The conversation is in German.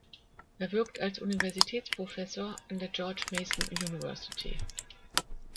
Er wirkt als Universitätsprofessor an der George Mason University.